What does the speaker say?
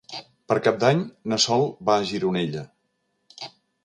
Per Cap d'Any na Sol va a Gironella.